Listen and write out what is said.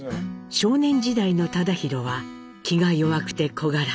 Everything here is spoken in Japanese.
少年時代の忠宏は気が弱くて小柄。